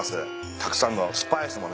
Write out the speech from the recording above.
たくさんのスパイスもね